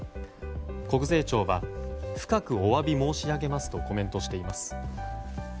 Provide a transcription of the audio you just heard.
国税庁は深くお詫び申し上げますとコメントしています。